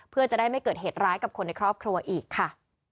เพื่อจะได้ไม่เกิดเหตุร้ายกับคนในครอบครัวอีกค่ะ